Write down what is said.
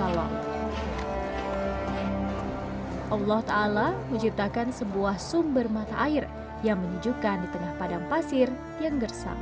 allah sw menciptakan sebuah sumber mata air yang menyejukkan di tengah padang pasir yang gersam